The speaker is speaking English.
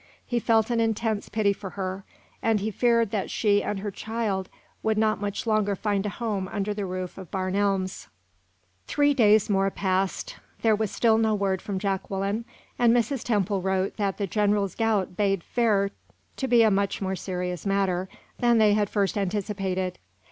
He felt an intense pity for her, and he feared that she and her child would not much longer find a home under the roof of Barn Elms. Three days more passed. There was still no word from Jacqueline, and Mrs. Temple wrote that the general's gout bade fair to be a much more serious matter than they had first anticipated.